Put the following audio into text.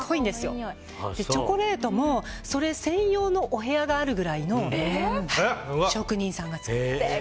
チョコレートもそれ専用のお部屋があるくらい職人さんが作っています。